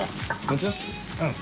うん。